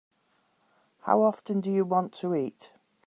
How often do you want to eat?